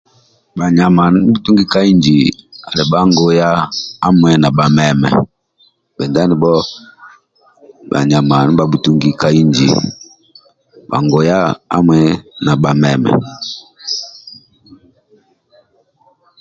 Bhanyama ndibhe nibhutungi ka inji ali bhanguya hamui na bhameme bhenjo andibho banyama ndibhe nibhutungi ka inji bhanguya hamui na bhameme